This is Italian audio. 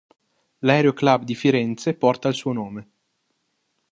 L'aeroclub di Firenze porta il suo nome.